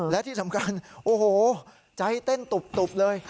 และที่สำคัญโอ้โหใจเต้นตุบเลย